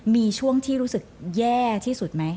มีช่วงที่รู้สึกแย่ที่สุดไหม